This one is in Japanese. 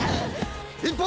一本！